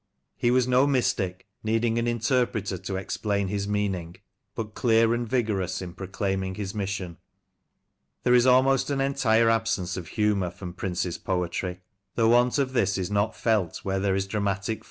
He was no mystic, needing an interpreter to explain his meaning, but clear and vigorous in proclaiming his mission. There is an almost entire absence of humour from Prince's poetry. The want of this is not felt where there is dramatic